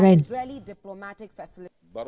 israel katz truyền thông iran